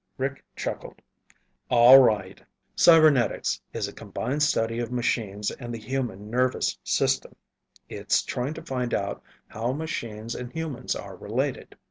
Rick chuckled. "All right. Cybernetics is a combined study of machines and the human nervous system. It's trying to figure out how machines and humans are related.